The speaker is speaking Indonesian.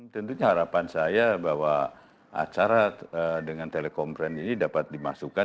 tentunya harapan saya bahwa acara dengan telekomferensi ini dapat dimasukkan